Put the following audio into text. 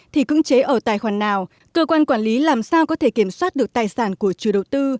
thì cưỡng chế ở tài khoản nào cơ quan quản lý làm sao có thể kiểm soát được tài sản của chủ đầu tư